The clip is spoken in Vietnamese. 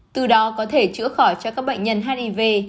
từ đó có thể chữa khỏi cho các bệnh nhân hiv